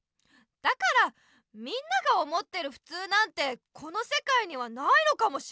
だからみんなが思ってるふつうなんてこのせかいにはないのかもしれない。